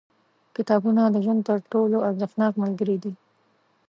• کتابونه د ژوند تر ټولو ارزښتناک ملګري دي.